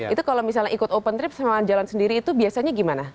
itu kalau misalnya ikut open trip sama jalan sendiri itu biasanya gimana